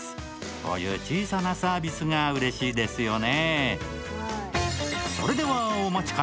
こういう小さなサービスがうれしいですよね。